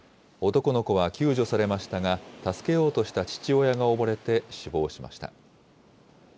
男の子は救助されましたが、助けようとした父親が溺れて死亡しました。